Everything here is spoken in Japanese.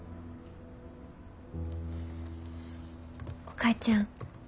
お母ちゃん。